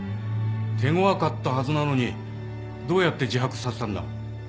手ごわかったはずなのにどうやって自白させたんだ？